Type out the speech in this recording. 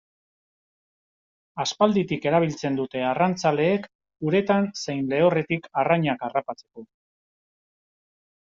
Aspalditik erabiltzen dute arrantzaleek uretan zein lehorretik arrainak harrapatzeko.